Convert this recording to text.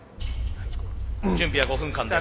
準備は５分間です。